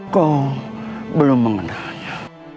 kau belum mengenalnya